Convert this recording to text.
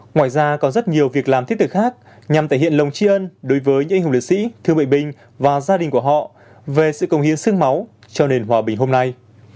ngoài ra còn rất nhiều việc làm thiết thực khác nhằm thể hiện lòng chi ơn đối với những anh hùng liệt sĩ thương bệnh bình và gia đình của họ về sự công hiến sương máu cho nền hòa bình hôm nay